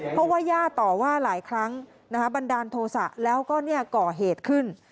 เพราะว่าย่าต่อว่าหลายครั้งบันดาลโทษะแล้วก็ก่อเหตุขึ้น